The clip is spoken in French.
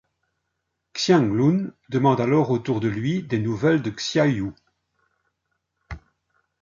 Xianglun demande alors autour de lui des nouvelles de Xiaoyu.